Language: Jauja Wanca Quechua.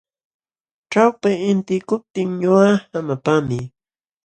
Ćhawpi intiykuptin ñuqa hamapaami.